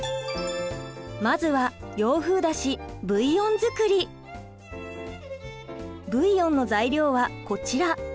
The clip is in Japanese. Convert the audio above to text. まずはブイヨンの材料はこちら。